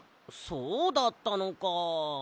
そうだったのか。